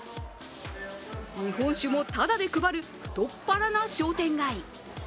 日本酒もただで配る太っ腹な商店街。